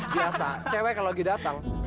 biasa cewek kalau lagi datang